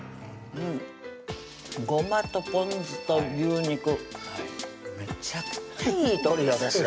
うんごまとぽん酢と牛肉めちゃくちゃいいトリオですね